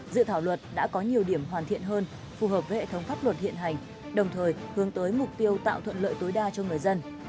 dự thảo luật đã có nhiều điểm hoàn thiện hơn phù hợp với hệ thống pháp luật hiện hành đồng thời hướng tới mục tiêu tạo thuận lợi tối đa cho người dân